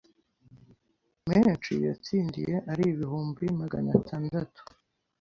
menshi yatsindiye ari ibihumbi magana tandatu